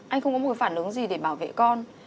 anh không có một phản ứng gì để bảo vệ con